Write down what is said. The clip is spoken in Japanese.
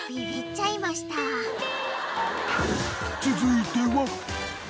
［続いては］